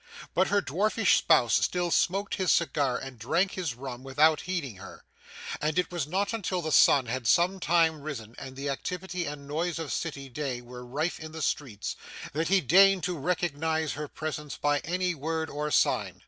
But her dwarfish spouse still smoked his cigar and drank his rum without heeding her; and it was not until the sun had some time risen, and the activity and noise of city day were rife in the street, that he deigned to recognize her presence by any word or sign.